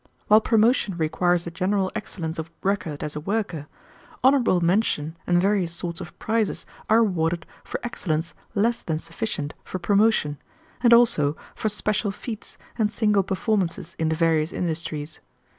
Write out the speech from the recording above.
While promotion requires a general excellence of record as a worker, honorable mention and various sorts of prizes are awarded for excellence less than sufficient for promotion, and also for special feats and single performances in the various industries.